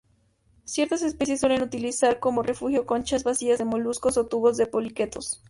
Ciertas especies suelen utilizar como refugio conchas vacías de moluscos o tubos de poliquetos.